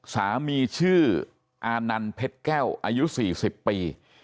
สามีชื่ออานันต์เพชรแก้วอายุ๔๐ปี